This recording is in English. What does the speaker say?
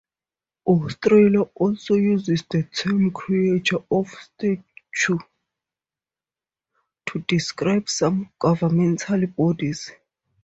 Australia also uses the term "creature of statute" to describe some governmental bodies.